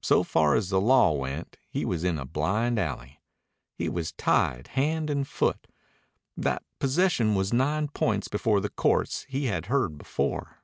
So far as the law went he was in a blind alley. He was tied hand and foot. That possession was nine points before the courts he had heard before.